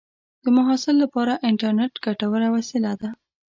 د محصل لپاره انټرنېټ ګټوره وسیله ده.